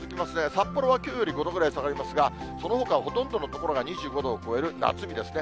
札幌はきょうより５度ぐらい下がりますが、そのほかはほとんどの所が２５度を超える夏日ですね。